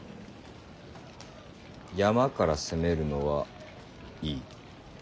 山から攻めるのはいい。